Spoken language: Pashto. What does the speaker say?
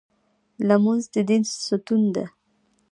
لمونځ د دین ستون دی